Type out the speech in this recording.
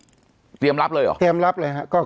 เพราะฉะนั้นประชาธิปไตยเนี่ยคือการยอมรับความเห็นที่แตกต่าง